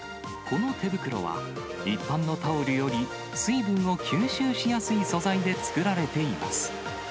この手袋は、一般のタオルより水分を吸収しやすい素材で作られています。